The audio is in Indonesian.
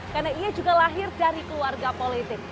karena ia juga lahir dari keluarga politik